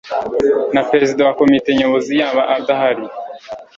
na Perezida wa Komite Nyobozi yaba adahari